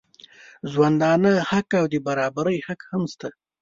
د ژوندانه حق او د برابري حق هم شته.